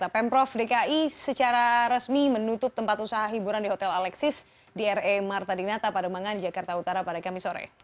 pemprov dki jakarta secara resmi menutup tempat usaha hiburan di hotel alexis di r e marta dinata pada emangan jakarta utara pada kami sore